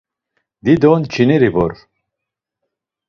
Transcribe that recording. Dido nç̌ineri vore.